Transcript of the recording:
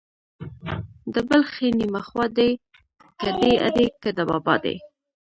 د بل ښې نيمه خوا دي ، که د ادې که د بابا دي.